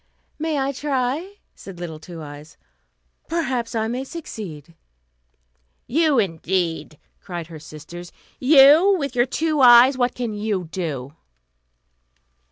"May I try?" said little Two Eyes; "perhaps I may succeed." "You, indeed!" cried her sisters; "you, with your two eyes, what can you do?"